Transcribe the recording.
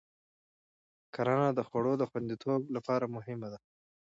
کرنه د خوړو د خوندیتوب لپاره مهمه ده.